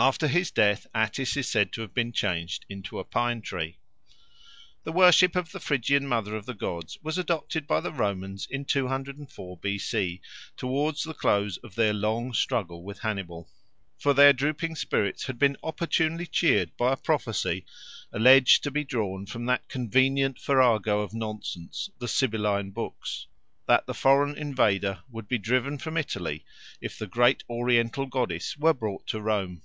After his death Attis is said to have been changed into a pine tree. The worship of the Phrygian Mother of the Gods was adopted by the Romans in 204 B.C. towards the close of their long struggle with Hannibal. For their drooping spirits had been opportunely cheered by a prophecy, alleged to be drawn from that convenient farrago of nonsense, the Sibylline Books, that the foreign invader would be driven from Italy if the great Oriental goddess were brought to Rome.